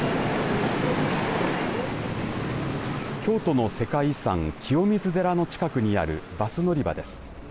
京都の世界遺産清水寺の近くにあるバス乗り場です。